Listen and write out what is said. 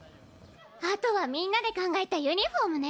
あとはみんなで考えたユニフォームね！